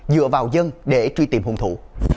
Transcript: dựa vào dân để truy tìm hung thủ